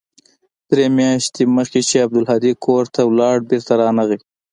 درې مياشتې مخکې چې عبدالهادي کور ته ولاړ بېرته رانغى.